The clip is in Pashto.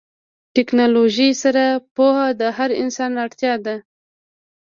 د ټیکنالوژۍ سره پوهه د هر انسان اړتیا ده.